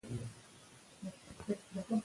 رابعه پرون خبرې وکړې.